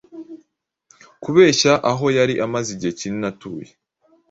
Kubeshya aho yari amaze igihe kinini atuye